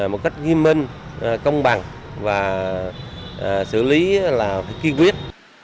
một cách nghiêm minh công bằng và xử lý là ký quyết